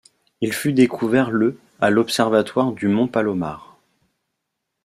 Il fut découvert le à l'Observatoire du Mont Palomar.